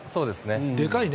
でかいね。